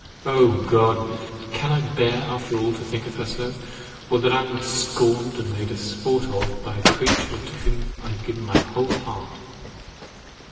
Oh God! can I bear after all to think of her so, or that I am scorned and made a sport of by the creature to whom I had given my whole heart?